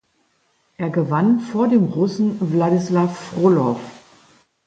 Er gewann vor dem Russen Wladislaw Frolow.